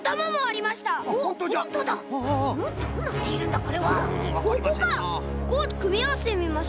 ここをくみあわせてみましょう。